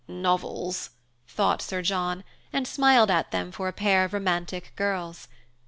"Novels!" thought Sir John, and smiled at them for a pair of romantic girls.